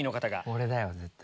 俺だよ絶対。